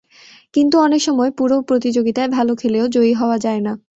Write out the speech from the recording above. কিন্তু অনেক সময় পুরো প্রতিযোগিতায় ভালো খেলেও জয়ী হওয়া যায় না।